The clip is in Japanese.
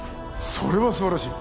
それは素晴らしい！